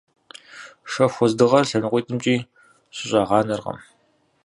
Шэху уэздыгъэр лъэныкъуитӏымкӏи щыщӏагъанэркъым.